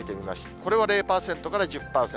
これは０％から１０％。